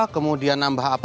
kemudian nambah apa